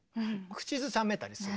口ずさめたりする。